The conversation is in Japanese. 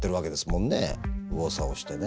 右往左往してね。